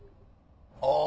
あ。